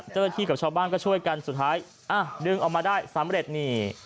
เจ้าหน้าที่กับชาวบ้านก็ช่วยกันสุดท้ายดึงออกมาได้สำเร็จนี่